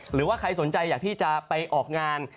หรือว่าใครสนใจอยากที่จะไปออกงาน